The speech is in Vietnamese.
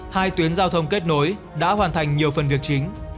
hai tuyến giao thông kết nối đã hoàn thành nhiều phần việc chính